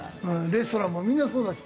レストランもみんなそうだし。